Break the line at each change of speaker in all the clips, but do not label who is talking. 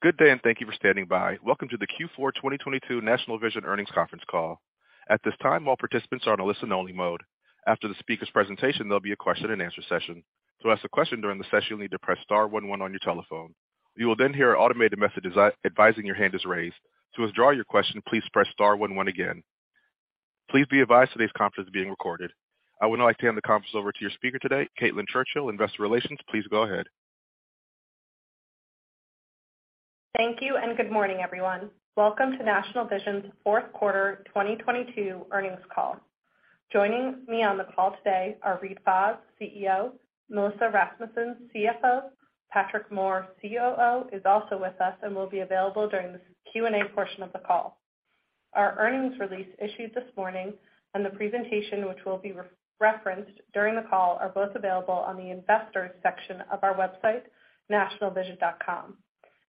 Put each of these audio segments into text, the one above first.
Good day, and thank you for standing by. Welcome to the Q4 2022 National Vision earnings conference call. At this time, all participants are on a listen only mode. After the speaker's presentation, there'll be a question and answer session. To ask a question during the session, you'll need to press star one one on your telephone. You will then hear an automated message advising your hand is raised. To withdraw your question, please press star one one again. Please be advised today's conference is being recorded. I would now like to hand the conference over to your speaker today, Caitlin Churchill, Investor Relations. Please go ahead.
Thank you and good morning, everyone. Welcome to National Vision's 4th quarter 2022 earnings call. Joining me on the call today are Reade Fahs, CEO, Melissa Rasmussen, CFO. Patrick Moore, COO, is also with us and will be available during this Q&A portion of the call. Our earnings release issued this morning and the presentation which will be re-referenced during the call are both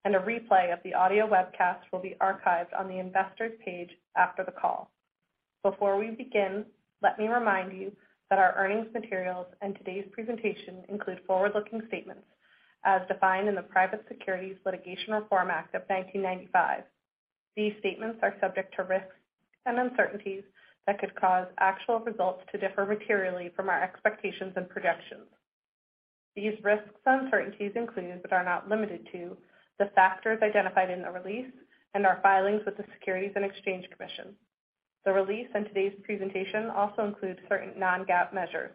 available on the investors section of our website, nationalvision.com. A replay of the audio webcast will be archived on the investors page after the call. Before we begin, let me remind you that our earnings materials and today's presentation include forward-looking statements as defined in the Private Securities Litigation Reform Act of 1995. These statements are subject to risks and uncertainties that could cause actual results to differ materially from our expectations and projections. These risks and uncertainties include, but are not limited to, the factors identified in the release and our filings with the Securities and Exchange Commission. The release and today's presentation also includes certain non-GAAP measures.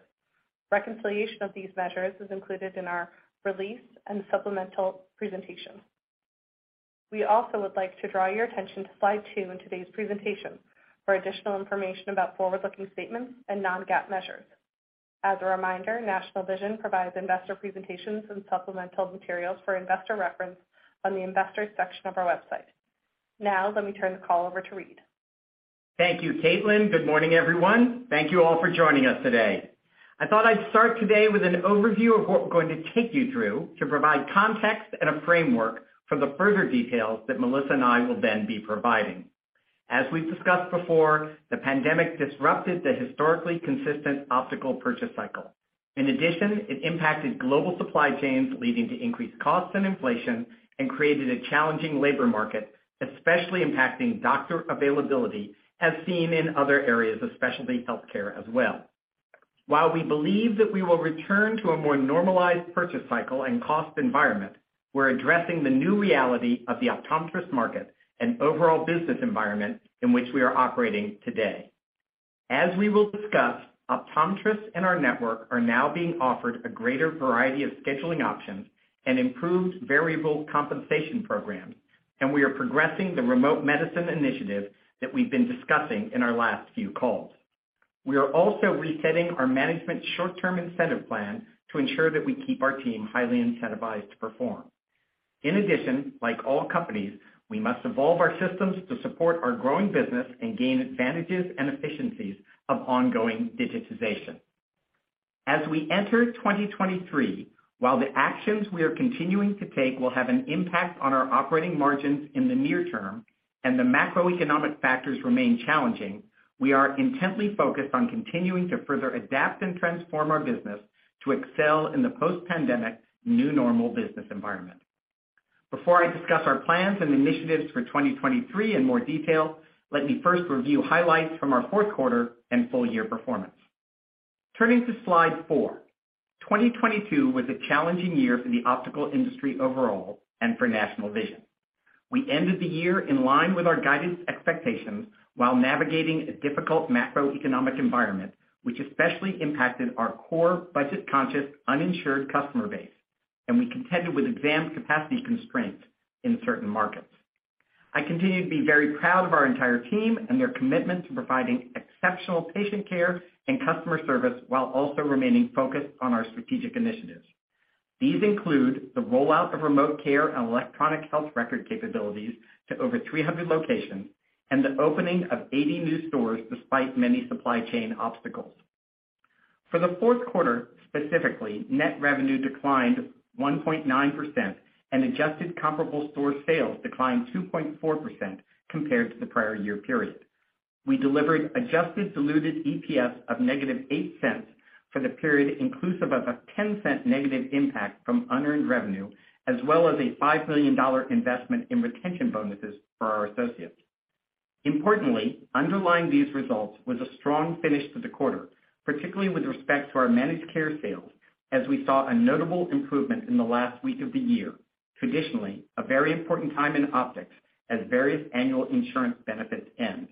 Reconciliation of these measures is included in our release and supplemental presentation. We also would like to draw your attention to slide 2 in today's presentation for additional information about forward-looking statements and non-GAAP measures. As a reminder, National Vision provides investor presentations and supplemental materials for investor reference on the investors section of our website. Now, let me turn the call over to Reid.
Thank you, Caitlin. Good morning, everyone. Thank you all for joining us today. I thought I'd start today with an overview of what we're going to take you through to provide context and a framework for the further details that Melissa and I will then be providing. As we've discussed before, the pandemic disrupted the historically consistent optical purchase cycle. In addition, it impacted global supply chains, leading to increased costs and inflation, and created a challenging labor market, especially impacting doctor availability, as seen in other areas of specialty healthcare as well. While we believe that we will return to a more normalized purchase cycle and cost environment, we're addressing the new reality of the optometrist market and overall business environment in which we are operating today. As we will discuss, optometrists in our network are now being offered a greater variety of scheduling options and improved variable compensation programs, and we are progressing the remote medicine initiative that we've been discussing in our last few calls. We are also resetting our management short-term incentive plan to ensure that we keep our team highly incentivized to perform. In addition, like all companies, we must evolve our systems to support our growing business and gain advantages and efficiencies of ongoing digitization. As we enter 2023, while the actions we are continuing to take will have an impact on our operating margins in the near term and the macroeconomic factors remain challenging, we are intently focused on continuing to further adapt and transform our business to excel in the post-pandemic new normal business environment. Before I discuss our plans and initiatives for 2023 in more detail, let me first review highlights from our fourth quarter and full year performance. Turning to slide 4. 2022 was a challenging year for the optical industry overall and for National Vision. We ended the year in line with our guidance expectations while navigating a difficult macroeconomic environment, which especially impacted our core budget-conscious, uninsured customer base, and we contended with exam capacity constraints in certain markets. I continue to be very proud of our entire team and their commitment to providing exceptional patient care and customer service while also remaining focused on our strategic initiatives. These include the rollout of remote care and electronic health record capabilities to over 300 locations and the opening of 80 new stores despite many supply chain obstacles. For the fourth quarter, specifically, net revenue declined 1.9%, and Adjusted Comparable Store Sales declined 2.4% compared to the prior year period. We delivered Adjusted Diluted EPS of -$0.08 for the period, inclusive of a -$0.10 negative impact from unearned revenue, as well as a $5 million investment in retention bonuses for our associates. Importantly, underlying these results was a strong finish to the quarter, particularly with respect to our managed care sales, as we saw a notable improvement in the last week of the year, traditionally a very important time in optics as various annual insurance benefits end.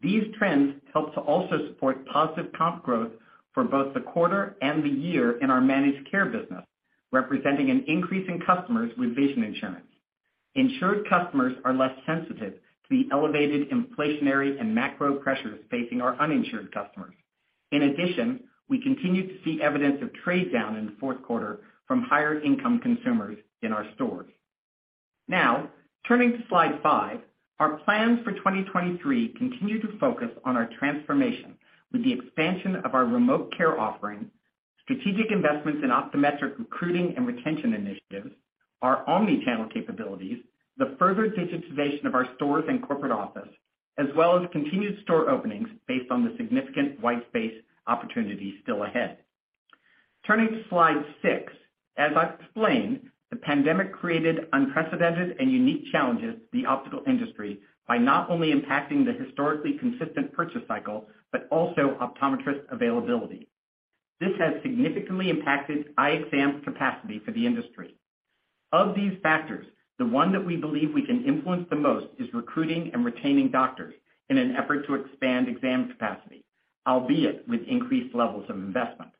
These trends helped to also support positive comp growth for both the quarter and the year in our managed care business, representing an increase in customers with vision insurance. Insured customers are less sensitive to the elevated inflationary and macro pressures facing our uninsured customers. We continued to see evidence of trade down in the fourth quarter from higher income consumers in our stores. Turning to slide 5. Our plans for 2023 continue to focus on our transformation with the expansion of our remote care offering, strategic investments in optometric recruiting and retention initiatives, our omni-channel capabilities, the further digitization of our stores and corporate office, as well as continued store openings based on the significant white space opportunities still ahead. Turning to slide 6. As I explained, the pandemic created unprecedented and unique challenges to the optical industry by not only impacting the historically consistent purchase cycle, but also optometrist availability. This has significantly impacted eye exam capacity for the industry. Of these factors, the one that we believe we can influence the most is recruiting and retaining doctors in an effort to expand exam capacity, albeit with increased levels of investment.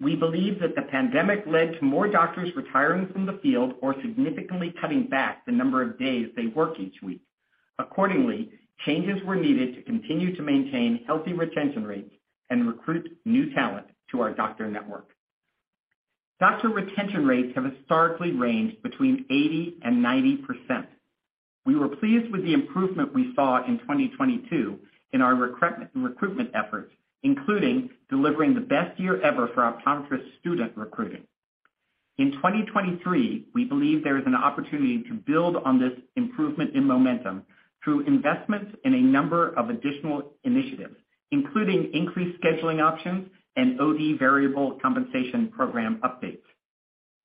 We believe that the pandemic led to more doctors retiring from the field or significantly cutting back the number of days they work each week. Accordingly, changes were needed to continue to maintain healthy retention rates and recruit new talent to our doctor network. Doctor retention rates have historically ranged between 80% and 90%. We were pleased with the improvement we saw in 2022 in our recruitment efforts, including delivering the best year ever for optometrist student recruiting. In 2023, we believe there is an opportunity to build on this improvement in momentum through investments in a number of additional initiatives, including increased scheduling options and OD variable compensation program updates.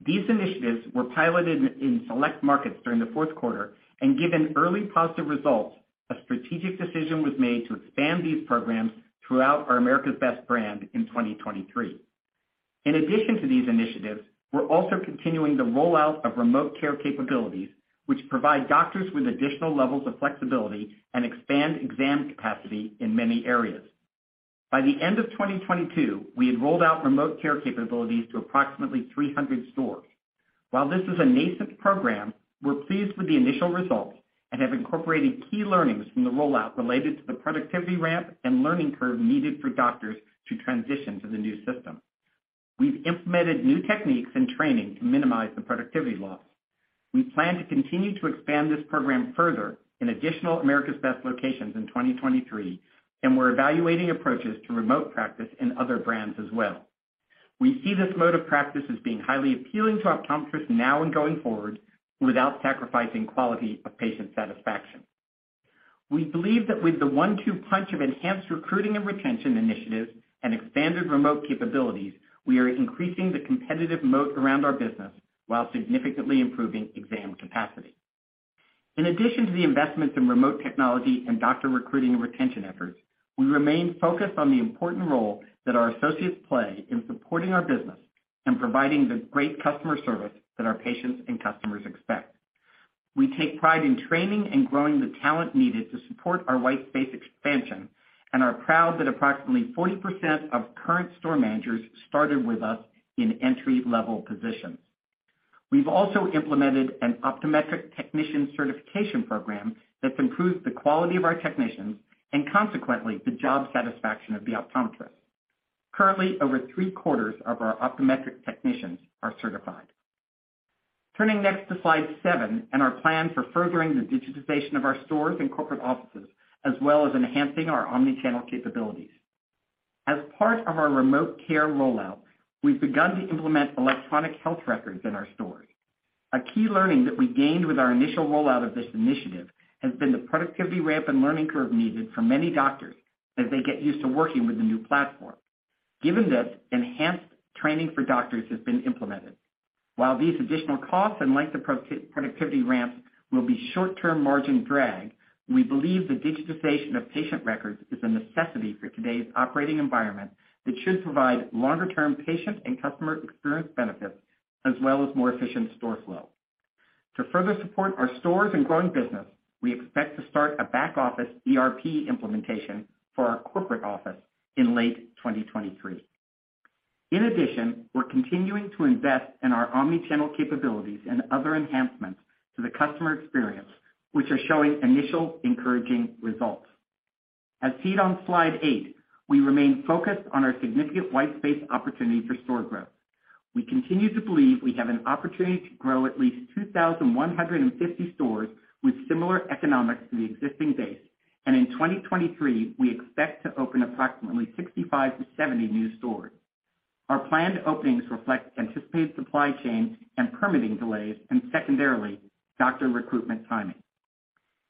These initiatives were piloted in select markets during the fourth quarter and given early positive results, a strategic decision was made to expand these programs throughout our America's Best brand in 2023. In addition to these initiatives, we're also continuing the rollout of remote care capabilities, which provide doctors with additional levels of flexibility and expand exam capacity in many areas. By the end of 2022, we had rolled out remote care capabilities to approximately 300 stores. While this is a nascent program, we're pleased with the initial results and have incorporated key learnings from the rollout related to the productivity ramp and learning curve needed for doctors to transition to the new system. We've implemented new techniques and training to minimize the productivity loss. We plan to continue to expand this program further in additional America's Best locations in 2023, and we're evaluating approaches to remote practice in other brands as well. We see this mode of practice as being highly appealing to optometrists now and going forward without sacrificing quality of patient satisfaction. We believe that with the one-two punch of enhanced recruiting and retention initiatives and expanded remote capabilities, we are increasing the competitive moat around our business while significantly improving exam capacity. In addition to the investments in remote technology and doctor recruiting and retention efforts, we remain focused on the important role that our associates play in supporting our business and providing the great customer service that our patients and customers expect. We take pride in training and growing the talent needed to support our white space expansion and are proud that approximately 40% of current store managers started with us in entry-level positions. We've also implemented an optometric technician certification program that's improved the quality of our technicians and consequently, the job satisfaction of the optometrist. Currently, over three-quarters of our optometric technicians are certified. Turning next to slide 7 and our plan for furthering the digitization of our stores and corporate offices, as well as enhancing our omni-channel capabilities. As part of our remote care rollout, we've begun to implement electronic health records in our stores. A key learning that we gained with our initial rollout of this initiative has been the productivity ramp and learning curve needed for many doctors as they get used to working with the new platform. Given this, enhanced training for doctors has been implemented. While these additional costs and length approach productivity ramps will be short-term margin drag, we believe the digitization of patient records is a necessity for today's operating environment that should provide longer-term patient and customer experience benefits, as well as more efficient store flow. To further support our stores and growing business, we expect to start a back-office ERP implementation for our corporate office in late 2023. In addition, we're continuing to invest in our omni-channel capabilities and other enhancements to the customer experience, which are showing initial encouraging results. As seen on slide 8, we remain focused on our significant white space opportunity for store growth. We continue to believe we have an opportunity to grow at least 2,150 stores with similar economics to the existing base. In 2023, we expect to open approximately 65-70 new stores. Our planned openings reflect anticipated supply chain and permitting delays, and secondarily, doctor recruitment timing.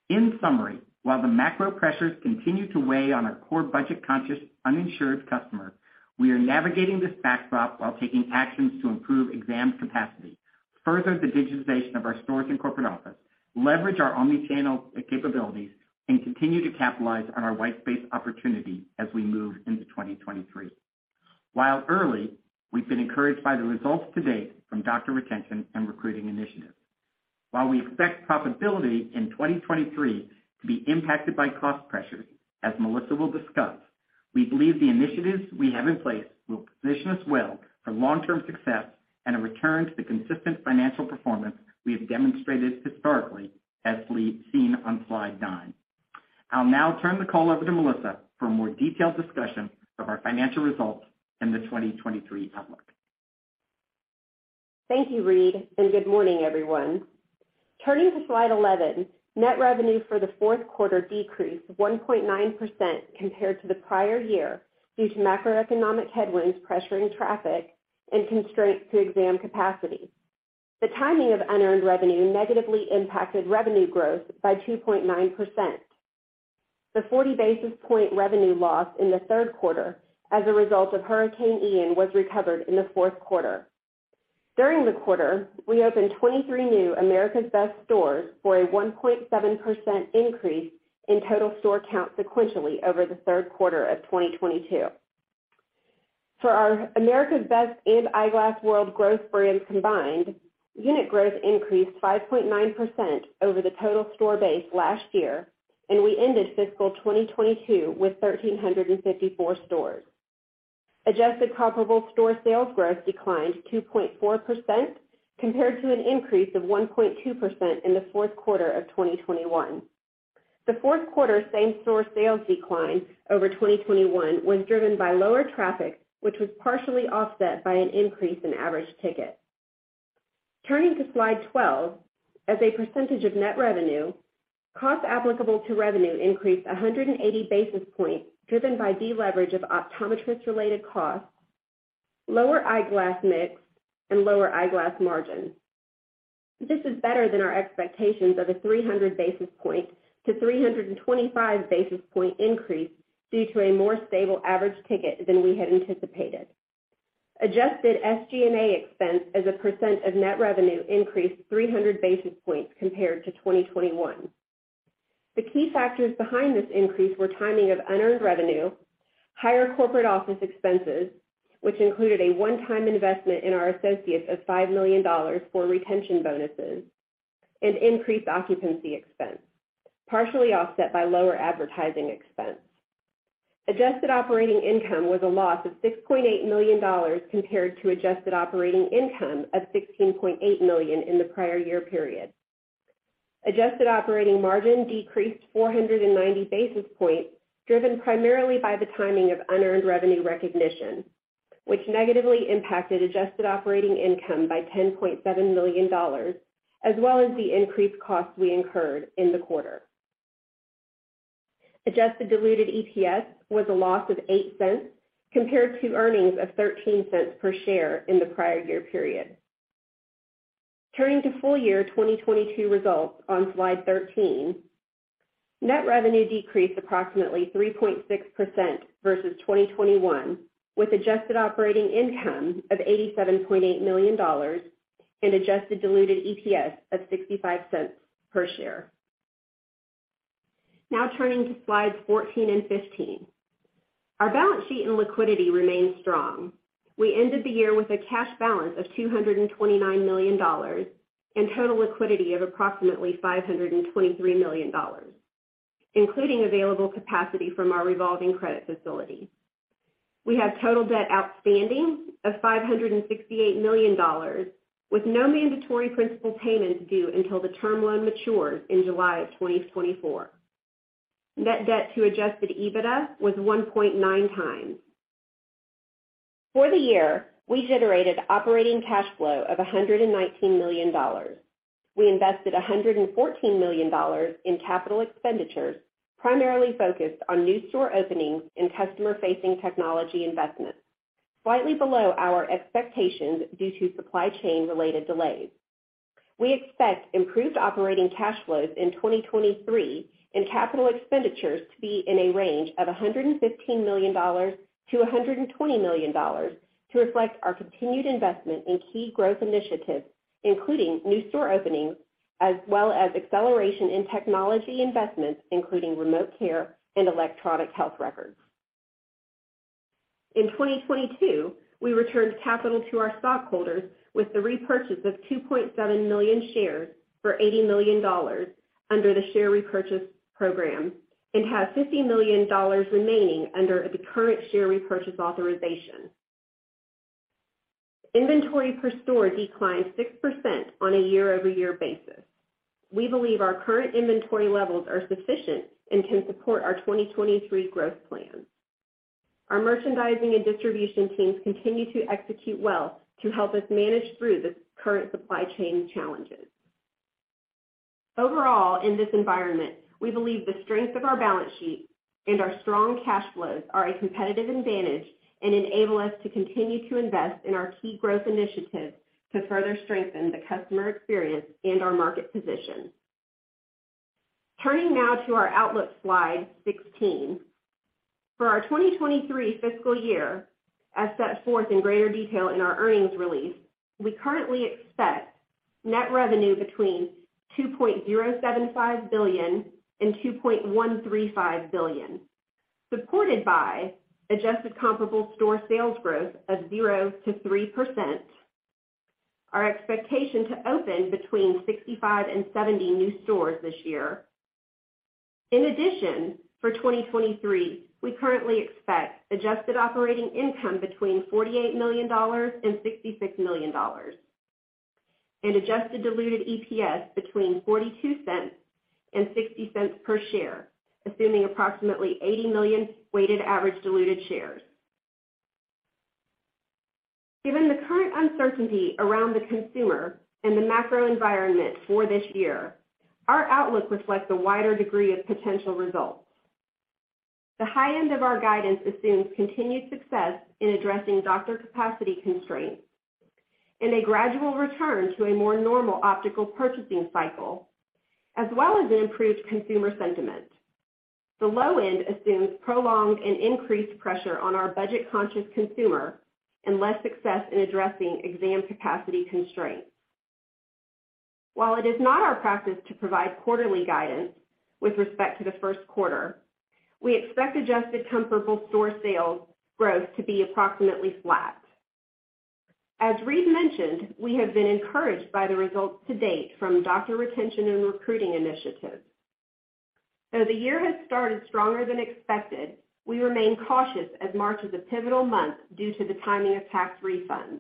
In summary, while the macro pressures continue to weigh on our core budget conscious uninsured customer, we are navigating this backdrop while taking actions to improve exam capacity, further the digitization of our stores and corporate office, leverage our omni-channel capabilities, and continue to capitalize on our white space opportunity as we move into 2023. While early, we've been encouraged by the results to date from doctor retention and recruiting initiatives. While we expect profitability in 2023 to be impacted by cost pressures, as Melissa will discuss, we believe the initiatives we have in place will position us well for long-term success and a return to the consistent financial performance we have demonstrated historically, as seen on slide 9. I'll now turn the call over to Melissa for a more detailed discussion of our financial results in the 2023 outlook.
Thank you, Reade. Good morning, everyone. Turning to slide 11. Net revenue for the fourth quarter decreased 1.9% compared to the prior year due to macroeconomic headwinds pressuring traffic and constraints to exam capacity. The timing of unearned revenue negatively impacted revenue growth by 2.9%. The 40 basis point revenue loss in the third quarter as a result of Hurricane Ian was recovered in the fourth quarter. During the quarter, we opened 23 new America's Best stores for a 1.7% increase in total store count sequentially over the third quarter of 2022. For our America's Best and Eyeglass World growth brands combined, unit growth increased 5.9% over the total store base last year, and we ended fiscal 2022 with 1,354 stores. Adjusted Comparable Store Sales Growth declined 2.4% compared to an increase of 1.2% in the fourth quarter of 2021. The fourth quarter same-store sales decline over 2021 was driven by lower traffic, which was partially offset by an increase in average ticket. Turning to Slide 12, as a percentage of net revenue, costs applicable to revenue increased 180 basis points driven by deleverage of optometrist-related costs, lower eyeglass mix, and lower eyeglass margins. This is better than our expectations of a 300 basis point to 325 basis point increase due to a more stable average ticket than we had anticipated. Adjusted SG&A expense as a percent of net revenue increased 300 basis points compared to 2021. The key factors behind this increase were timing of unearned revenue, higher corporate office expenses, which included a one-time investment in our associates of $5 million for retention bonuses, and increased occupancy expense, partially offset by lower advertising expense. Adjusted Operating Income was a loss of $6.8 million compared to Adjusted Operating Income of $16.8 million in the prior year period. Adjusted Operating Margin decreased 490 basis points, driven primarily by the timing of unearned revenue recognition, which negatively impacted Adjusted Operating Income by $10.7 million, as well as the increased costs we incurred in the quarter. Adjusted Diluted EPS was a loss of $0.08 compared to earnings of $0.13 per share in the prior year period. Turning to full year 2022 results on Slide 13, net revenue decreased approximately 3.6% versus 2021, with Adjusted Operating Income of $87.8 million and Adjusted Diluted EPS of $0.65 per share. Turning to Slides 14 and 15. Our balance sheet and liquidity remain strong. We ended the year with a cash balance of $229 million and total liquidity of approximately $523 million, including available capacity from our revolving credit facility. We have total debt outstanding of $568 million with no mandatory principal payments due until the term loan matures in July of 2024. Net debt to Adjusted EBITDA was 1.9x. For the year, we generated operating cash flow of $119 million. We invested $114 million in capital expenditures, primarily focused on new store openings and customer-facing technology investments, slightly below our expectations due to supply chain related delays. We expect improved operating cash flows in 2023 and capital expenditures to be in a range of $115 million-$120 million to reflect our continued investment in key growth initiatives, including new store openings, as well as acceleration in technology investments including remote care and electronic health records. In 2022, we returned capital to our stockholders with the repurchase of 2.7 million shares for $80 million under the share repurchase program and have $50 million remaining under the current share repurchase authorization. Inventory per store declined 6% on a year-over-year basis. We believe our current inventory levels are sufficient and can support our 2023 growth plans. Our merchandising and distribution teams continue to execute well to help us manage through the current supply chain challenges. Overall, in this environment, we believe the strength of our balance sheet and our strong cash flows are a competitive advantage and enable us to continue to invest in our key growth initiatives to further strengthen the customer experience and our market position. Turning now to our outlook, Slide 16. For our 2023 fiscal year, as set forth in greater detail in our earnings release, we currently expect net revenue between $2.075 billion and $2.135 billion, supported by Adjusted Comparable Store Sales Growth of 0%-3%, our expectation to open between 65 and 70 new stores this year. In addition, for 2023, we currently expect Adjusted Operating Income between $48 million and $66 million and Adjusted Diluted EPS between $0.42 and $0.60 per share, assuming approximately 80 million weighted average diluted shares. Given the current uncertainty around the consumer and the macro environment for this year, our outlook reflects a wider degree of potential results. The high end of our guidance assumes continued success in addressing doctor capacity constraints and a gradual return to a more normal optical purchasing cycle, as well as an improved consumer sentiment. The low end assumes prolonged and increased pressure on our budget-conscious consumer and less success in addressing exam capacity constraints. While it is not our practice to provide quarterly guidance with respect to the first quarter, we expect Adjusted Comparable Store Sales Growth to be approximately flat. As Reid mentioned, we have been encouraged by the results to date from doctor retention and recruiting initiatives. The year has started stronger than expected, we remain cautious as March is a pivotal month due to the timing of tax refunds.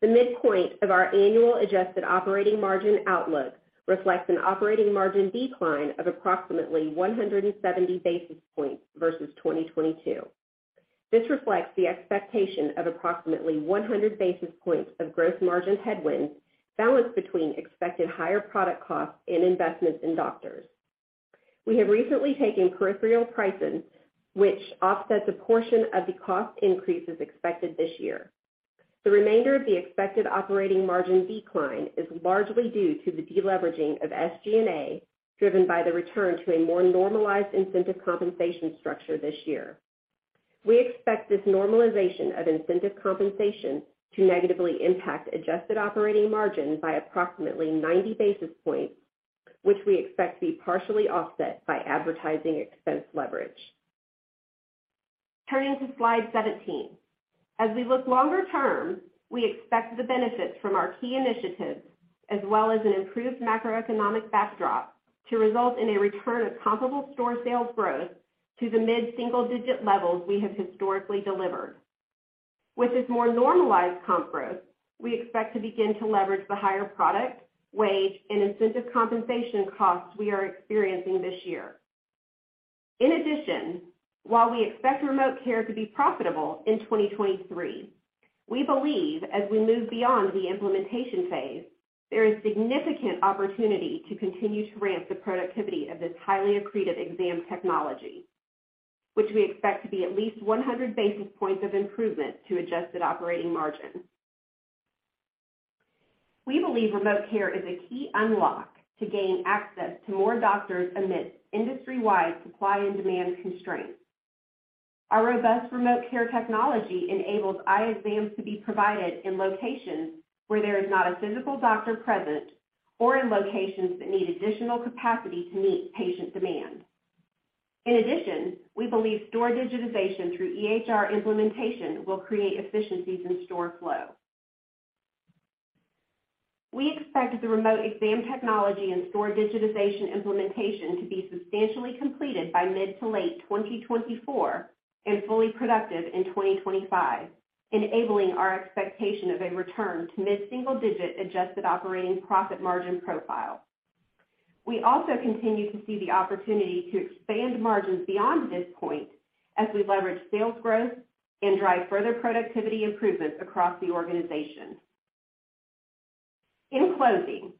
The midpoint of our annual Adjusted Operating Margin outlook reflects an operating margin decline of approximately 170 basis points versus 2022. This reflects the expectation of approximately 100 basis points of gross margin headwinds balanced between expected higher product costs and investments in doctors. We have recently taken peripheral pricing, which offsets a portion of the cost increases expected this year. The remainder of the expected operating margin decline is largely due to the deleveraging of SG&A, driven by the return to a more normalized incentive compensation structure this year. We expect this normalization of incentive compensation to negatively impact Adjusted Operating Margin by approximately 90 basis points, which we expect to be partially offset by advertising expense leverage. Turning to slide 17. As we look longer term, we expect the benefits from our key initiatives as well as an improved macroeconomic backdrop to result in a return of comparable store sales growth to the mid-single digit levels we have historically delivered. With this more normalized comp growth, we expect to begin to leverage the higher product, wage, and incentive compensation costs we are experiencing this year. While we expect remote care to be profitable in 2023, we believe as we move beyond the implementation phase, there is significant opportunity to continue to ramp the productivity of this highly accretive exam technology, which we expect to be at least 100 basis points of improvement to Adjusted Operating Margin. We believe remote care is a key unlock to gain access to more doctors amidst industry-wide supply and demand constraints. Our robust remote care technology enables eye exams to be provided in locations where there is not a physical doctor present or in locations that need additional capacity to meet patient demand. We believe store digitization through EHR implementation will create efficiencies in store flow. We expect the remote exam technology and store digitization implementation to be substantially completed by mid to late 2024 and fully productive in 2025, enabling our expectation of a return to mid-single digit adjusted operating profit margin profile. We also continue to see the opportunity to expand margins beyond this point as we leverage sales growth and drive further productivity improvements across the organization. In closing,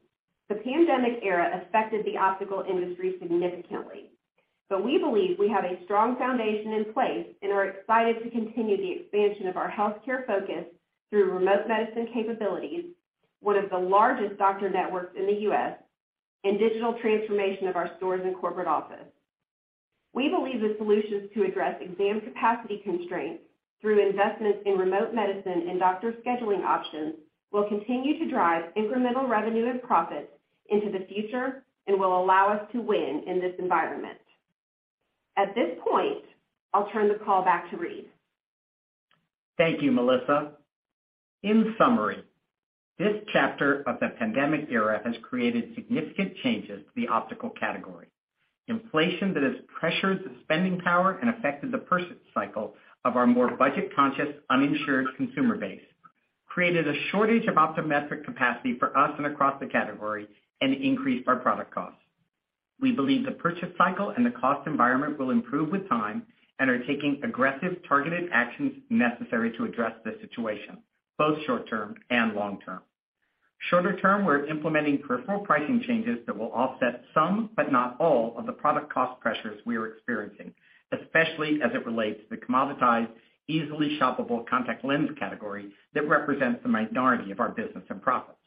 the pandemic era affected the optical industry significantly, but we believe we have a strong foundation in place and are excited to continue the expansion of our healthcare focus through remote medicine capabilities, one of the largest doctor networks in the U.S., and digital transformation of our stores and corporate office. We believe the solutions to address exam capacity constraints through investments in remote medicine and doctor scheduling options will continue to drive incremental revenue and profits into the future and will allow us to win in this environment. At this point, I'll turn the call back to Reid.
Thank you, Melissa. In summary, this chapter of the pandemic era has created significant changes to the optical category. Inflation that has pressured the spending power and affected the purchase cycle of our more budget-conscious, uninsured consumer base, created a shortage of optometric capacity for us and across the category and increased our product costs. We believe the purchase cycle and the cost environment will improve with time and are taking aggressive targeted actions necessary to address the situation, both short term and long term. Shorter term, we're implementing peripheral pricing changes that will offset some, but not all of the product cost pressures we are experiencing, especially as it relates to the commoditized, easily shoppable contact lens category that represents the minority of our business and profits.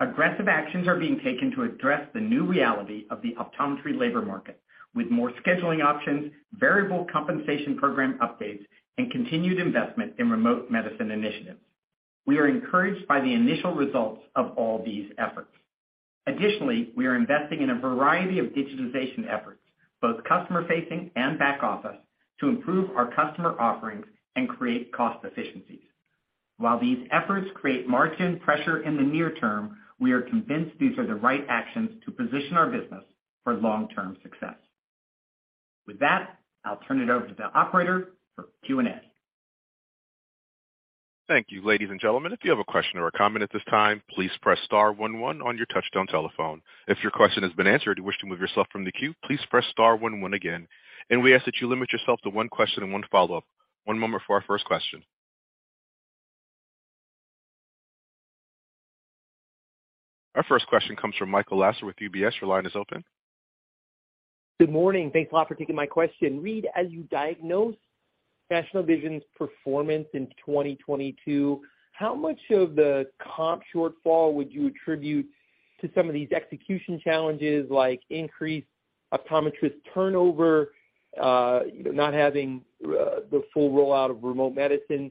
Aggressive actions are being taken to address the new reality of the optometry labor market with more scheduling options, variable compensation program updates, and continued investment in remote medicine initiatives. We are encouraged by the initial results of all these efforts. Additionally, we are investing in a variety of digitization efforts, both customer facing and back-office, to improve our customer offerings and create cost efficiencies. While these efforts create margin pressure in the near term, we are convinced these are the right actions to position our business for long-term success. With that, I'll turn it over to the operator for Q&A.
Thank you. Ladies and gentlemen, if you have a question or a comment at this time, please press star one one on your touchtone telephone. If your question has been answered and you wish to remove yourself from the queue, please press star one one again. We ask that you limit yourself to one question and one follow-up. One moment for our first question. Our first question comes from Michael Lasser with UBS. Your line is open.
Good morning. Thanks a lot for taking my question. Reade, as you diagnose National Vision's performance in 2022, how much of the comp shortfall would you attribute to some of these execution challenges, like increased optometrist turnover, not having the full rollout of remote medicine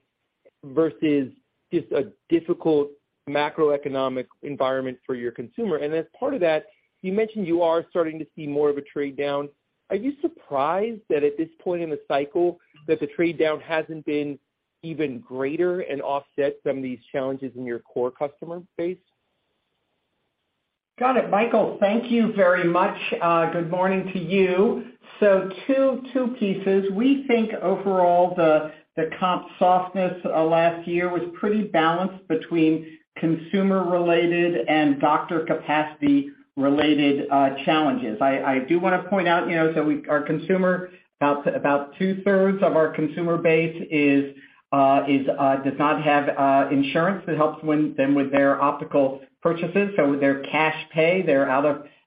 versus just a difficult macroeconomic environment for your consumer? As part of that, you mentioned you are starting to see more of a trade-down. Are you surprised that at this point in the cycle that the trade-down hasn't been even greater and offset some of these challenges in your core customer base?
Got it, Michael. Thank you very much. Good morning to you. Two pieces. We think overall the comp softness last year was pretty balanced between consumer related and doctor capacity related challenges. I do wanna point out, you know, our consumer, about 2/3 of our consumer base is, does not have insurance that helps win them with their optical purchases. They're cash pay, they're out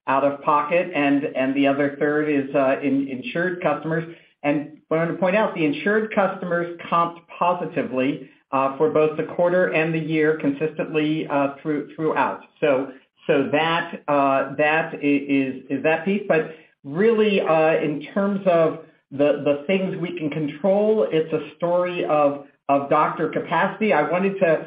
of pocket, and the other 1/3 is in insured customers. We're gonna point out the insured customers comped positively for both the quarter and the year consistently throughout. That is that piece. Really, in terms of the things we can control, it's a story of doctor capacity. I wanted to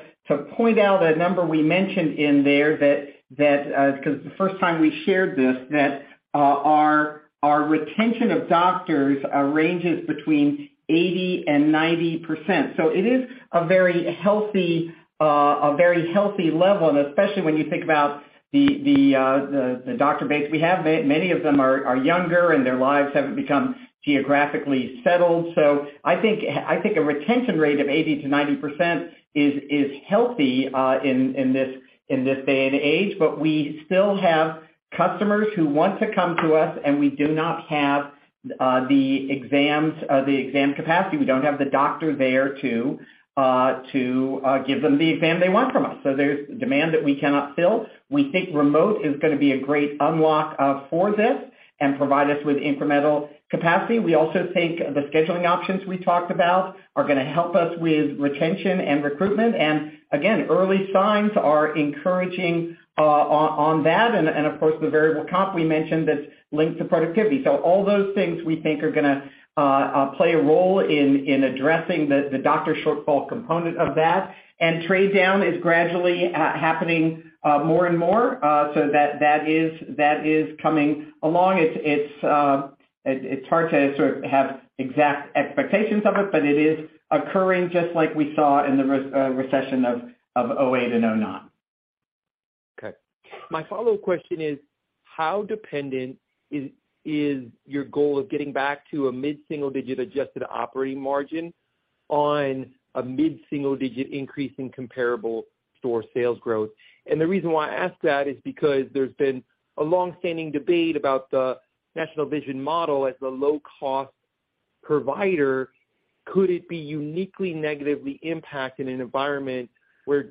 point out a number we mentioned in there 'cause the first time we shared this, our retention of doctors ranges between 80% and 90%. It is a very healthy, a very healthy level, and especially when you think about the doctor base we have. Many of them are younger and their lives have become geographically settled. A retention rate of 80%-90% is healthy in this day and age, but we still have customers who want to come to us, and we do not have the exams, the exam capacity. We don't have the doctor there to give them the exam they want from us. There's demand that we cannot fill. We think remote is gonna be a great unlock for this and provide us with incremental capacity. We also think the scheduling options we talked about are gonna help us with retention and recruitment. Again, early signs are encouraging on that. Of course, the variable comp we mentioned that's linked to productivity. All those things we think are gonna play a role in addressing the doctor shortfall component of that. Trade down is gradually happening more and more. That is coming along. It's hard to sort of have exact expectations of it, but it is occurring just like we saw in the recession of 2008 to 2009.
Okay. My follow-up question is how dependent is your goal of getting back to a mid-single digit Adjusted Operating Margin on a mid-single digit increase in comparable store sales growth? The reason why I ask that is because there's been a long-standing debate about the National Vision model as a low cost provider. Could it be uniquely negatively impacted in an environment where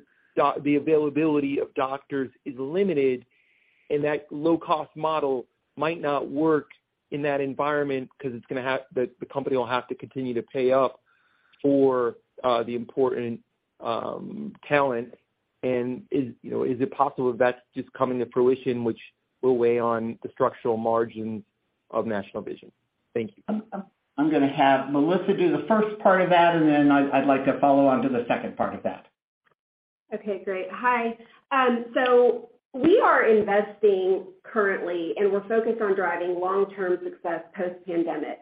the availability of doctors is limited, and that low cost model might not work in that environment 'cause the company will have to continue to pay up for the important talent. Is, you know, is it possible that's just coming to fruition, which will weigh on the structural margins of National Vision? Thank you.
I'm gonna have Melissa do the first part of that, and then I'd like to follow on to the second part of that.
Okay, great. Hi. We are investing currently, and we're focused on driving long-term success post pandemic.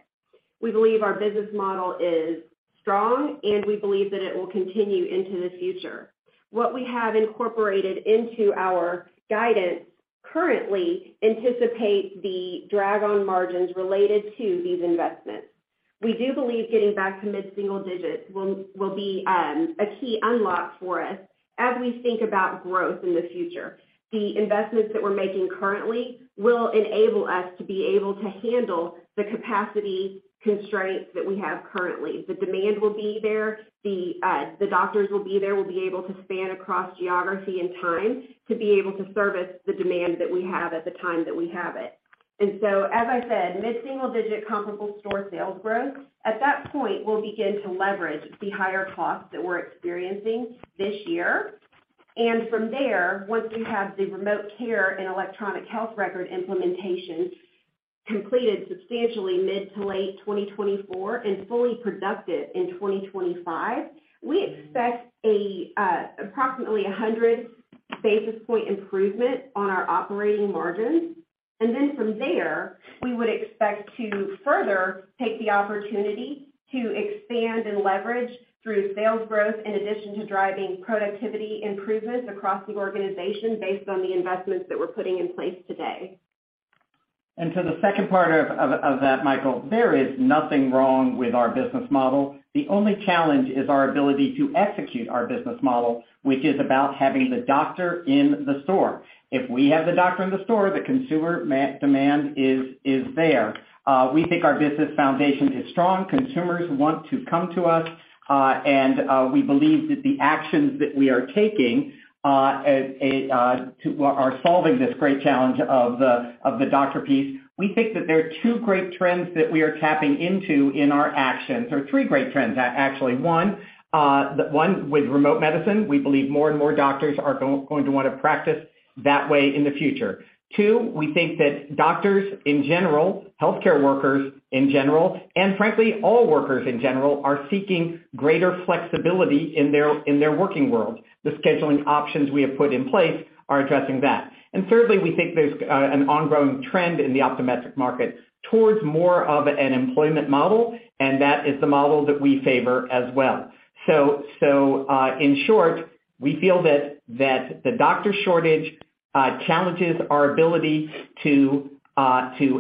We believe our business model is strong, and we believe that it will continue into the future. What we have incorporated into our guidance currently anticipates the drag on margins related to these investments. We do believe getting back to mid-single digits will be a key unlock for us as we think about growth in the future. The investments that we're making currently will enable us to be able to handle the capacity constraints that we have currently. The demand will be there. The doctors will be there. We'll be able to span across geography and time to be able to service the demand that we have at the time that we have it. As I said, mid-single digit comparable store sales growth. At that point, we'll begin to leverage the higher costs that we're experiencing this year. From there, once we have the remote care and electronic health record implementation completed substantially mid to late 2024 and fully productive in 2025, we expect approximately a 100 basis point improvement on our operating margins. From there, we would expect to further take the opportunity to expand and leverage through sales growth in addition to driving productivity improvements across the organization based on the investments that we're putting in place today.
To the second part of that, Michael, there is nothing wrong with our business model. The only challenge is our ability to execute our business model, which is about having the doctor in the store. If we have the doctor in the store, the consumer demand is there. We think our business foundation is strong. Consumers want to come to us, and we believe that the actions that we are taking are solving this great challenge of the doctor piece. We think that there are two great trends that we are tapping into in our actions, or three great trends actually. One, with remote medicine, we believe more and more doctors are going to wanna practice that way in the future. Two, we think that doctors in general, healthcare workers in general, and frankly, all workers in general, are seeking greater flexibility in their working world. The scheduling options we have put in place are addressing that. Thirdly, we think there's an ongoing trend in the optometric market towards more of an employment model, and that is the model that we favor as well. In short, we feel that the doctor shortage challenges our ability to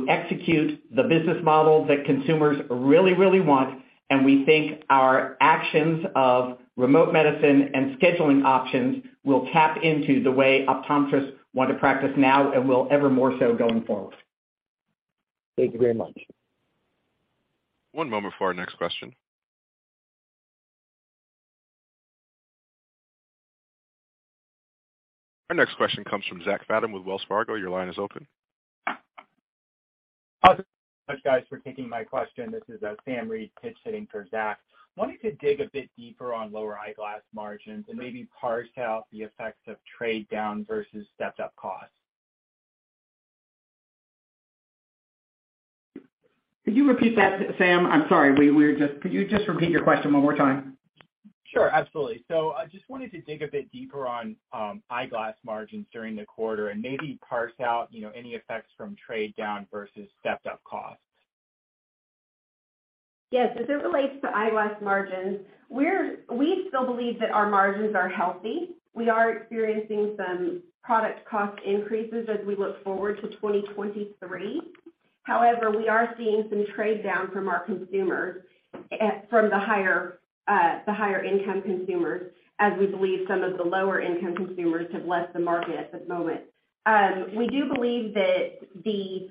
execute the business model that consumers really, really want, and we think our actions of remote medicine and scheduling options will tap into the way optometrists want to practice now and will ever more so going forward.
Thank you very much. One moment for our next question. Our next question comes from Zach Fadem with Wells Fargo. Your line is open.
Hi. Thank you so much, guys, for taking my question. This is Sam Reid sitting for Zach. Wanted to dig a bit deeper on lower eyeglass margins and maybe parse out the effects of trade down versus stepped up costs?
Could you repeat that, Zach? I'm sorry. We, we're just... Could you just repeat your question one more time?
Sure. Absolutely. I just wanted to dig a bit deeper on eyeglass margins during the quarter and maybe parse out, you know, any effects from trade down versus stepped up costs.
Yes. As it relates to eyeglass margins, we still believe that our margins are healthy. We are experiencing some product cost increases as we look forward to 2023. However, we are seeing some trade down from our consumers, from the higher, the higher income consumers, as we believe some of the lower income consumers have left the market at the moment. We do believe that the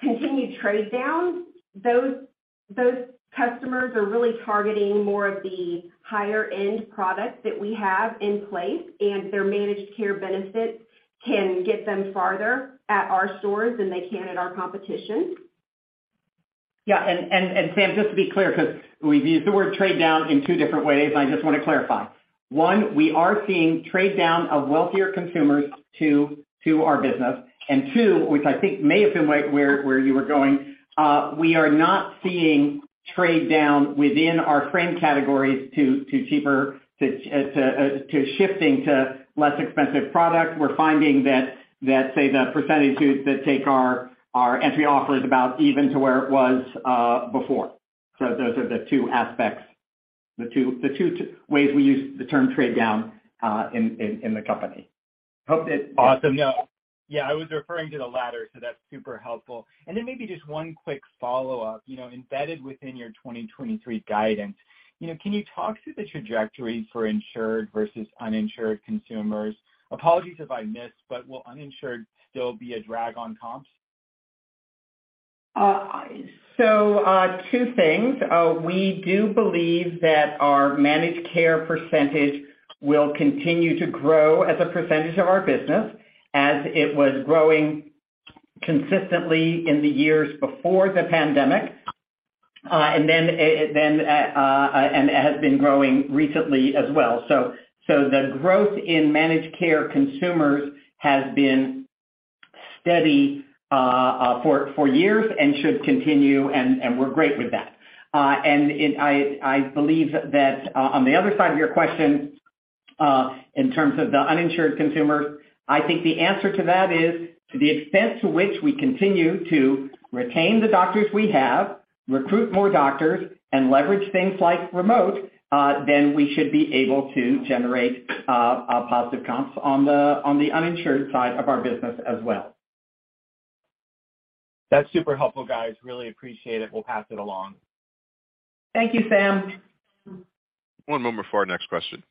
continued trade downs, those customers are really targeting more of the higher end products that we have in place, and their managed care benefit can get them farther at our stores than they can at our competition.
Yeah. Zach, just to be clear, 'cause we've used the word trade down in 2 different ways. I just wanna clarify. 1, we are seeing trade down of wealthier consumers to our business. 2, which I think may have been where you were going, we are not seeing trade down within our frame categories to cheaper, to shifting to less expensive product. We're finding that, say, the percentage who take our entry offer is about even to where it was before. Those are the 2 aspects, the 2 ways we use the term trade down in the company.
Awesome. No. Yeah, I was referring to the latter, so that's super helpful. Maybe just one quick follow-up. You know, embedded within your 2023 guidance, you know, can you talk to the trajectory for insured versus uninsured consumers? Apologies if I missed, will uninsured still be a drag on comps?
Two things. We do believe that our managed care percentage will continue to grow as a percentage of our business as it was growing consistently in the years before the pandemic, and then, and has been growing recently as well. The growth in managed care consumers has been steady for years and should continue, and we're great with that. I believe that on the other side of your question, in terms of the uninsured consumers, I think the answer to that is to the extent to which we continue to retain the doctors we have, recruit more doctors, and leverage things like remote, then we should be able to generate positive comps on the uninsured side of our business as well.
That's super helpful, guys. Really appreciate it. We'll pass it along.
Thank you, Zach.
One moment for our next question.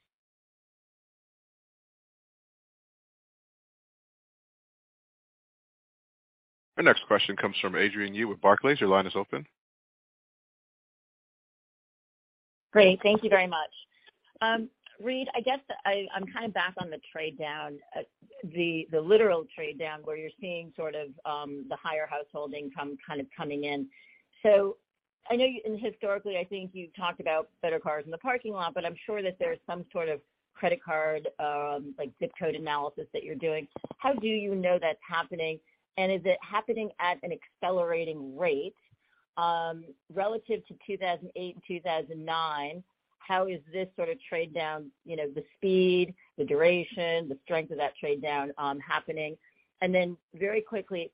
Our next question comes from Adrienne Yih with Barclays. Your line is open.
Great. Thank you very much. Reade, I guess I'm kind of back on the trade down, the literal trade down where you're seeing sort of, the higher household income kind of coming in. I know you, and historically, I think you've talked about better cars in the parking lot, but I'm sure that there's some sort of credit card, like ZIP code analysis that you're doing. How do you know that's happening? Is it happening at an accelerating rate, relative to 2008 and 2009? How is this sort of trade down, you know, the speed, the duration, the strength of that trade down, happening? Very quickly,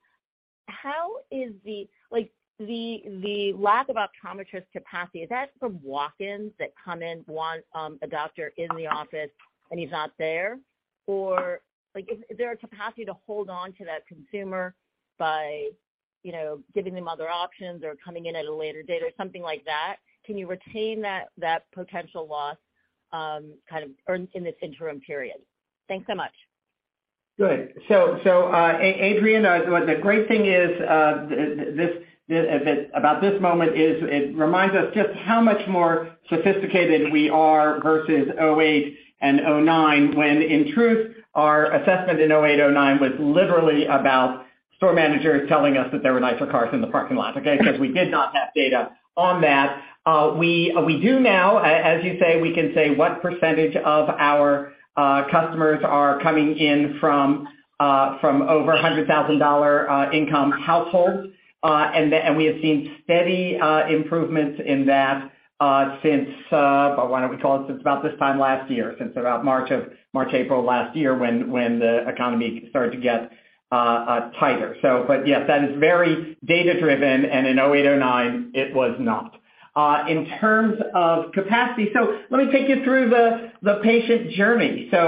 how is the like the lack of optometrist capacity, is that from walk-ins that come in, want a doctor in the office and he's not there? Like, is there a capacity to hold on to that consumer by, you know, giving them other options or coming in at a later date or something like that? Can you retain that potential loss, kind of, or in this interim period? Thanks so much.
Good. Adrienne, the great thing is this about this moment is it reminds us just how much more sophisticated we are versus 2008 and 2009, when in truth, our assessment in 2008, 2009 was literally about store managers telling us that there were nicer cars in the parking lot because we did not have data on that. We do now. As you say, we can say what percentage of our customers are coming in from over $100,000 income households. We have seen steady improvements in that since, why don't we call it, since about this time last year, since about March, April last year when the economy started to get tighter. Yes, that is very data-driven, and in 2008, 2009, it was not. In terms of capacity, let me take you through the patient journey. The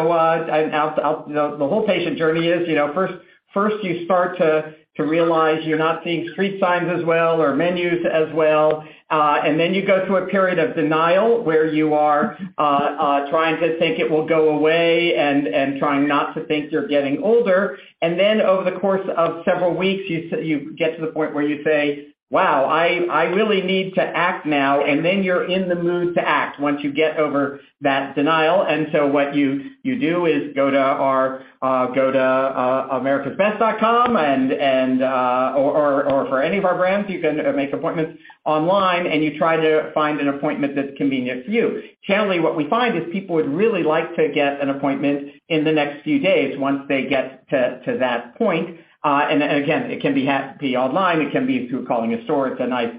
whole patient journey is, you know, first you start to realize you're not seeing street signs as well or menus as well. Then you go through a period of denial where you are trying to think it will go away and trying not to think you're getting older. Over the course of several weeks, you get to the point where you say, "Wow, I really need to act now." Then you're in the mood to act once you get over that denial. What you do is go to our go to americasbest.com and or for any of our brands, you can make appointments online, and you try to find an appointment that's convenient for you. Generally, what we find is people would really like to get an appointment in the next few days once they get to that point. Again, it can be online, it can be through calling a store. It's a nice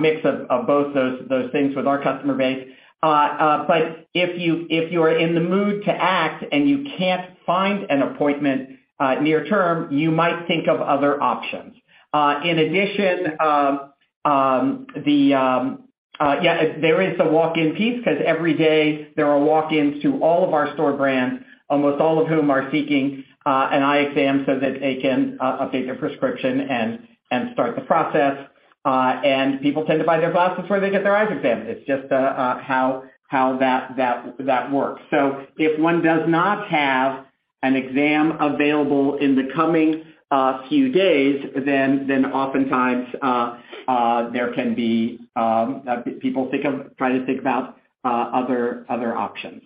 mix of both those things with our customer base. If you are in the mood to act and you can't find an appointment near term, you might think of other options. In addition, there is a walk-in piece because every day there are walk-ins to all of our store brands, almost all of whom are seeking an eye exam so that they can update their prescription and start the process. People tend to buy their glasses before they get their eyes examined. It's just how that works. If one does not have an exam available in the coming few days, then oftentimes there can be people try to think about other options.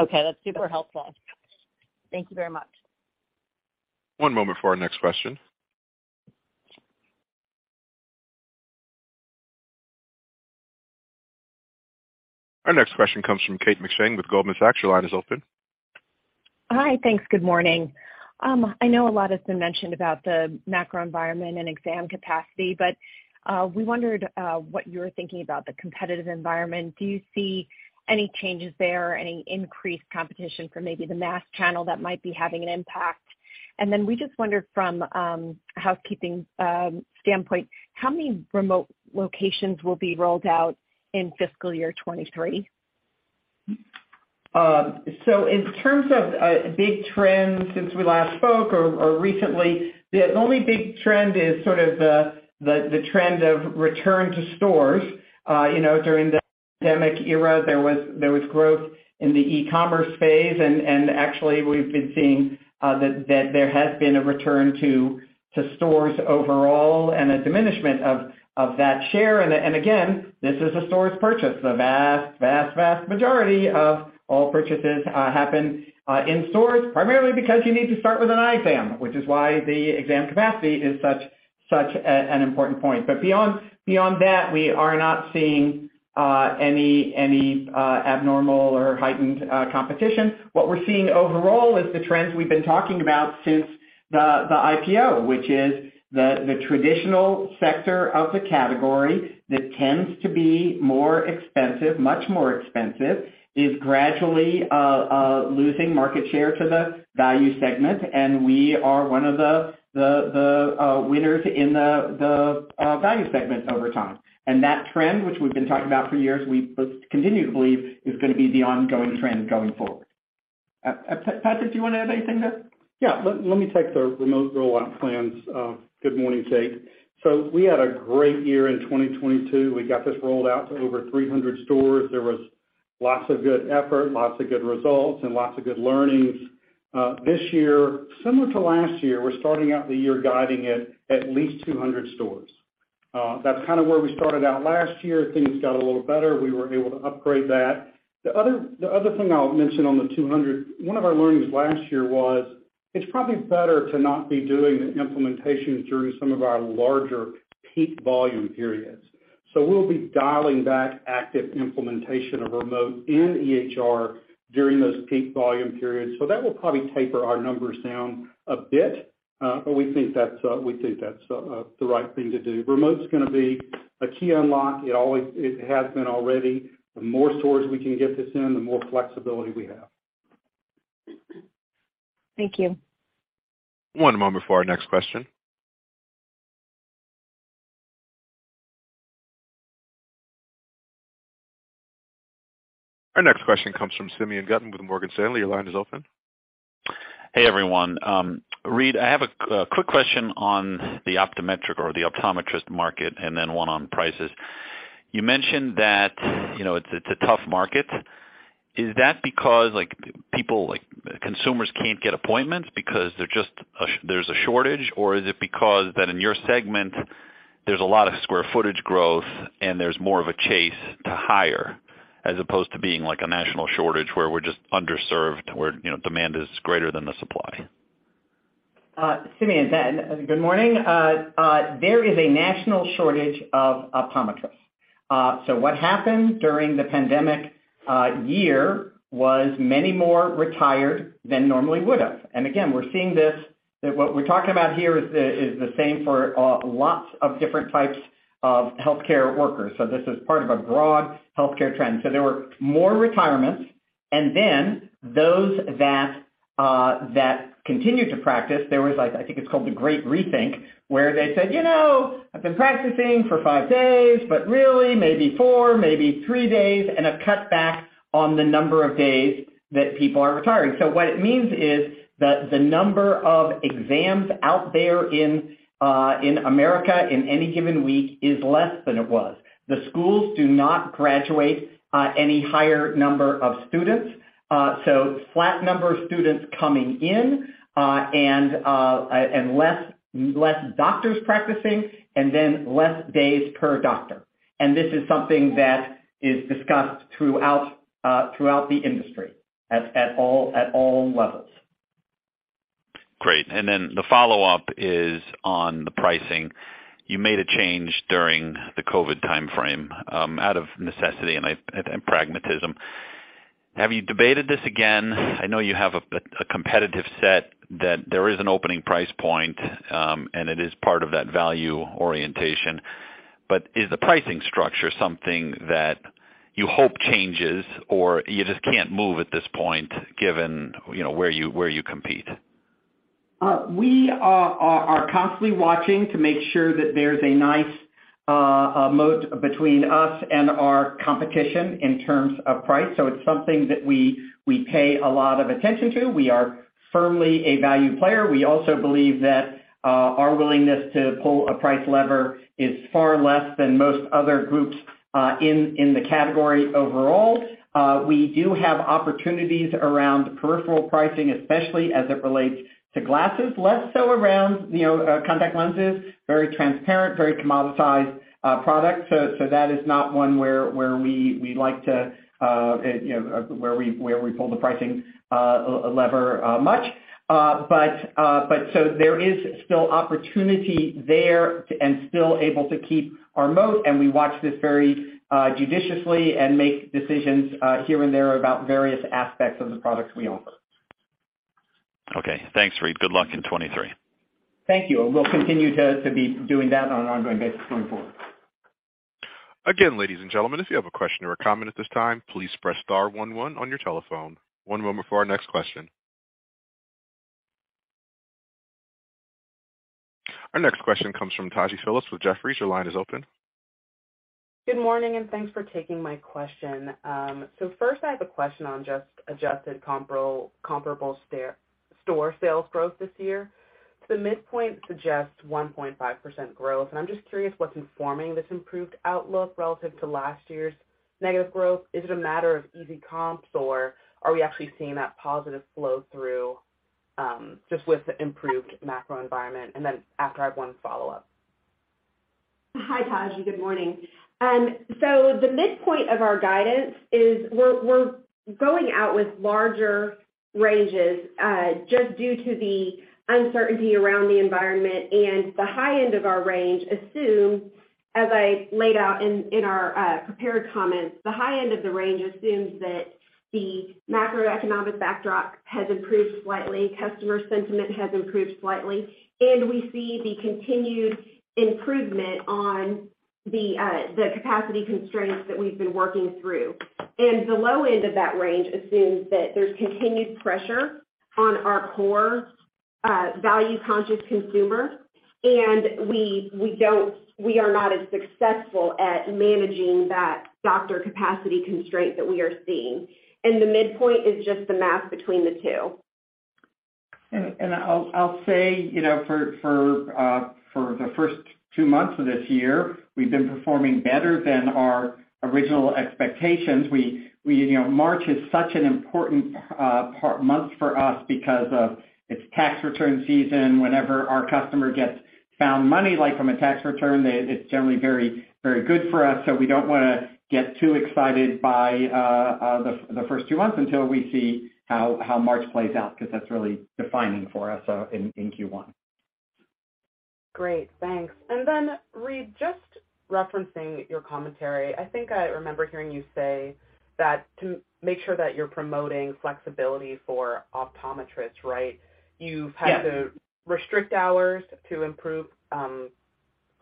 Okay, that's super helpful. Thank you very much.
One moment for our next question. Our next question comes from K ate McShane with Goldman Sachs. Your line is open.
Hi. Thanks. Good morning. I know a lot has been mentioned about the macro environment and exam capacity, but we wondered what you were thinking about the competitive environment. Do you see any changes there, any increased competition from maybe the mass channel that might be having an impact? We just wondered from a housekeeping standpoint, how many remote locations will be rolled out in fiscal year 2023?
In terms of big trends since we last spoke or recently, the only big trend is the trend of return to stores. You know, during the pandemic era, there was growth in the e-commerce phase. Actually we've been seeing that there has been a return to stores overall and a diminishment of that share. Again, this is a stores purchase. The vast majority of all purchases happen in stores, primarily because you need to start with an eye exam, which is why the exam capacity is such an important point. Beyond that, we are not seeing any abnormal or heightened competition. What we're seeing overall is the trends we've been talking about since the IPO, which is the traditional sector of the category that tends to be more expensive, much more expensive, is gradually losing market share to the value segment. We are one of the winners in the value segment over time. That trend, which we've been talking about for years, we continue to believe is gonna be the ongoing trend going forward. Patrick, do you want to add anything there?
Yeah. Let me take the remote rollout plans. Good morning, Kate. We had a great year in 2022. We got this rolled out to over 300 stores. There was lots of good effort, lots of good results, and lots of good learnings. This year, similar to last year, we're starting out the year guiding it at least 200 stores. That's kind of where we started out last year. Things got a little better. We were able to upgrade that. The other thing I'll mention on the 200, one of our learnings last year was it's probably better to not be doing the implementation during some of our larger peak volume periods. We'll be dialing back active implementation of remote and EHR during those peak volume periods. That will probably taper our numbers down a bit. We think that's the right thing to do. Remote's gonna be a key unlock. It has been already. The more stores we can get this in, the more flexibility we have.
Thank you.
One moment for our next question. Our next question comes from Simeon Gutman with Morgan Stanley. Your line is open.
Hey, everyone. Reid, I have a quick question on the optometric or the optometrist market, and then one on prices. You mentioned that, you know, it's a tough market. Is that because, like, people, like, consumers can't get appointments because there's a shortage? Or is it because that in your segment there's a lot of square footage growth and there's more of a chase to hire as opposed to being like a national shortage where we're just underserved, where, you know, demand is greater than the supply?
Morning. There is a national shortage of optometrists. What happened during the pandemic year was many more retired than normally would've. Again, we're seeing this, that what we're talking about here is the same for lots of different types of healthcare workers. This is part of a broad healthcare trend. There were more retirements, and then those that continued to practice, there was like, I think it's called the great rethink, where they said, "You know, I've been practicing for five days, but really maybe four, maybe three days," and have cut back on the number of days that people are retiring. What it means is that the number of exams out there in America in any given week is less than it was. The schools do not graduate any higher number of students. Flat number of students coming in, and less doctors practicing, less days per doctor. This is something that is discussed throughout the industry at all levels.
Great. The follow-up is on the pricing. You made a change during the COVID timeframe, out of necessity and pragmatism. Have you debated this again? I know you have a competitive set that there is an opening price point, and it is part of that value orientation. Is the pricing structure something that you hope changes or you just can't move at this point given, you know, where you, where you compete?
We are constantly watching to make sure that there's a nice moat between us and our competition in terms of price. It's something that we pay a lot of attention to. We are firmly a value player. We also believe that our willingness to pull a price lever is far less than most other groups in the category overall. We do have opportunities around peripheral pricing, especially as it relates to glasses, less so around, you know, contact lenses, very transparent, very commoditized product. That is not one where we like to, you know, where we pull the pricing lever much. There is still opportunity there and still able to keep our moat, and we watch this very judiciously and make decisions here and there about various aspects of the products we offer.
Okay. Thanks, Reid. Good luck in 2023.
Thank you. We'll continue to be doing that on an ongoing basis going forward.
Again, ladies and gentlemen, if you have a question or a comment at this time, please press star one one on your telephone. One moment for our next question. Our next question comes from Taji Phillips with Jefferies. Your line is open.
Good morning. Thanks for taking my question. First, I have a question on just Adjusted Comparable Store Sales Growth this year. The midpoint suggests 1.5% growth. I'm just curious what's informing this improved outlook relative to last year's negative growth. Is it a matter of easy comps, or are we actually seeing that positive flow through just with the improved macro environment? After, I have one follow-up.
Hi, Taji. Good morning. The midpoint of our guidance is we're going out with larger ranges just due to the uncertainty around the environment. The high end of our range assumes, as I laid out in our prepared comments, the high end of the range assumes that the macroeconomic backdrop has improved slightly, customer sentiment has improved slightly, and we see the continued improvement on the capacity constraints that we've been working through. The low end of that range assumes that there's continued pressure on our core value conscious consumer, and we are not as successful at managing that doctor capacity constraint that we are seeing. The midpoint is just the math between the two.
I'll say, you know, for the first two months of this year, we've been performing better than our original expectations. We. You know, March is such an important month for us because of its tax return season. Whenever our customer gets found money, like from a tax return, it's generally very, very good for us, so we don't wanna get too excited by the first two months until we see how March plays out, because that's really defining for us in Q1.
Great. Thanks. Reid, just referencing your commentary, I think I remember hearing you say that to make sure that you're promoting flexibility for optometrists, right?
Yes.
You've had to restrict hours to improve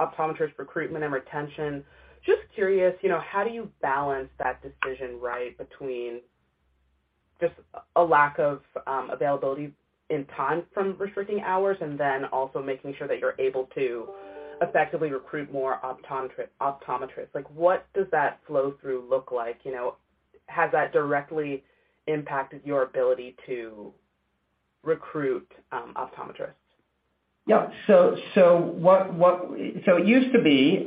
optometrists recruitment and retention. Just curious, you know, how do you balance that decision, right, between Just a lack of availability in time from restricting hours and then also making sure that you're able to effectively recruit more optometrists. Like, what does that flow through look like? You know, has that directly impacted your ability to recruit optometrists?
Yeah. It used to be,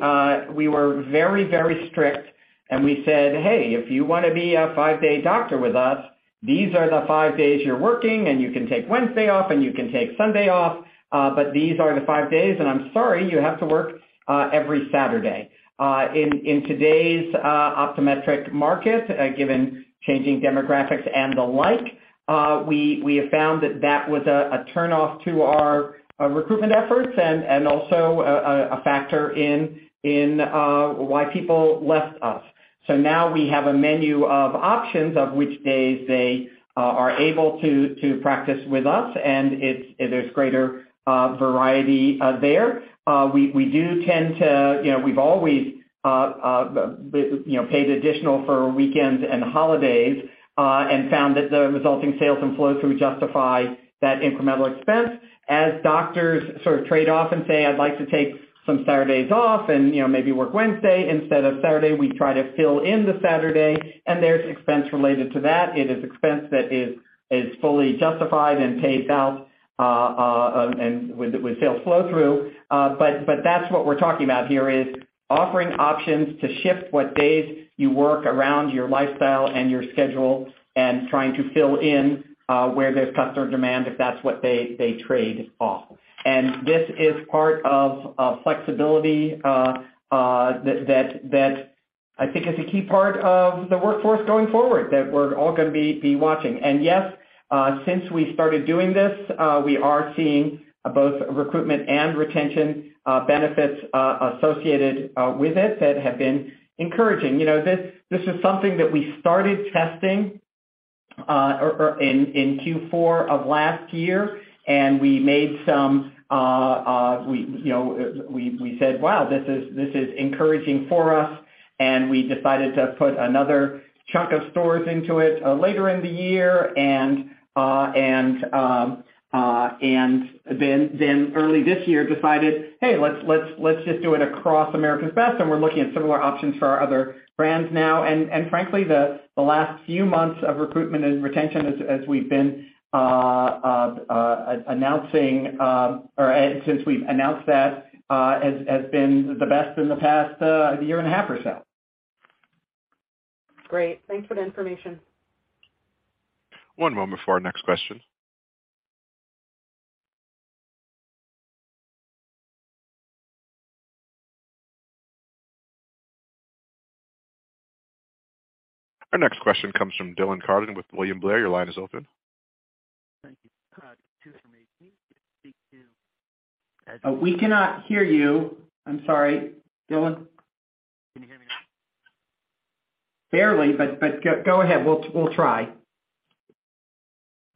we were very, very strict, and we said, "Hey, if you wanna be a 5-day doctor with us, these are the five days you're working, and you can take Wednesday off, and you can take Sunday off. These are the five days. I'm sorry, you have to work every Saturday." In today's optometric market, given changing demographics and the like, we have found that that was a turnoff to our recruitment efforts and also a factor in why people left us. Now we have a menu of options of which days they are able to practice with us, and there's greater variety there. We do tend to, you know, we've always, you know, paid additional for weekends and holidays, and found that the resulting sales and flow through justify that incremental expense. As doctors sort of trade off and say, "I'd like to take some Saturdays off, and, you know, maybe work Wednesday instead of Saturday," we try to fill in the Saturday, and there's expense related to that. It is expense that is fully justified and paid out, and with sales flow through. That's what we're talking about here, is offering options to shift what days you work around your lifestyle and your schedule and trying to fill in, where there's customer demand, if that's what they trade-off. This is part of a flexibility that I think is a key part of the workforce going forward, that we're all gonna be watching. Yes, since we started doing this, we are seeing both recruitment and retention benefits associated with it that have been encouraging. You know, this is something that we started testing in Q4 of last year, and we made some, we, you know, we said, "Wow, this is encouraging for us." We decided to put another chunk of stores into it later in the year and then early this year decided, "Hey, let's just do it across America's Best," and we're looking at similar options for our other brands now. Frankly, the last few months of recruitment and retention as we've been announcing, or since we've announced that, has been the best in the past year and a half or so.
Great. Thanks for the information.
One moment for our next question. Our next question comes from Dylan Carden with William Blair. Your line is open.
Thank you.
we cannot hear you. I'm sorry, Dylan.
Can you hear me now?
Barely, but go ahead. We'll try.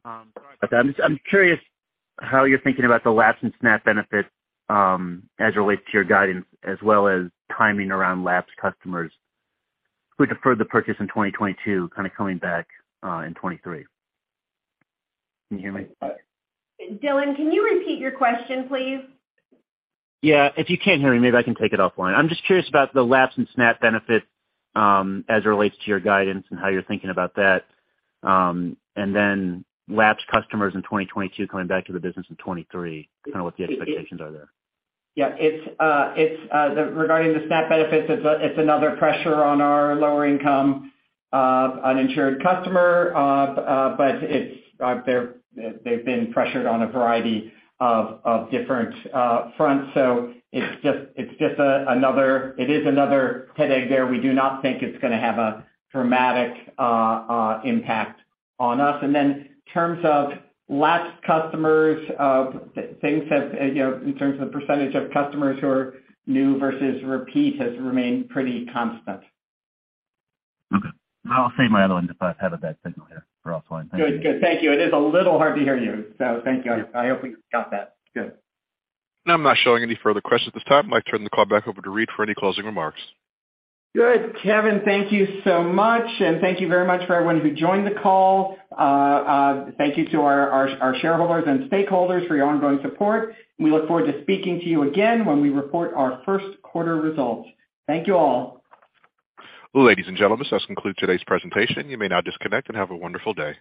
I'm curious how you're thinking about the lapse in SNAP benefits, as it relates to your guidance as well as timing around lapsed customers who deferred the purchase in 2022, kinda coming back in 2023. Can you hear me?
Dylan, can you repeat your question, please?
Yeah. If you can't hear me, maybe I can take it offline. I'm just curious about the lapse in SNAP benefits as it relates to your guidance and how you're thinking about that. Lapsed customers in 2022 coming back to the business in 2023, kinda what the expectations are there.
Yeah. It's, regarding the SNAP benefits, it's another pressure on our lower income, uninsured customer. But it's, they've been pressured on a variety of different fronts, so it's just, it is another headache there. We do not think it's gonna have a dramatic impact on us. In terms of lapsed customers, things have, you know, in terms of the percentage of customers who are new versus repeat, has remained pretty constant.
Okay. I'll save my other one if I have a bad signal here for offline. Thank you.
Good. Thank you. It is a little hard to hear you. Thank you. I hope we got that. Good.
I'm not showing any further questions at this time. I'd like to turn the call back over to Reade for any closing remarks.
Good. Kevin, thank you so much, and thank you very much for everyone who joined the call. Thank you to our shareholders and stakeholders for your ongoing support. We look forward to speaking to you again when we report our first quarter results. Thank you all.
Ladies and gentlemen, this concludes today's presentation. You may now disconnect, and have a wonderful day.